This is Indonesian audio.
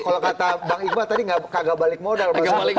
kalau kata bang iqbal tadi kagak balik modal